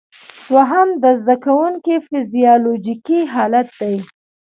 دوهم د زده کوونکي فزیالوجیکي حالت دی.